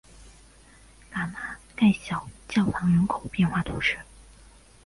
戈纳盖小教堂人口变化图示